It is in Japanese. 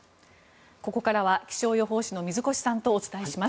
ここからは気象予報士の水越さんとお伝えします。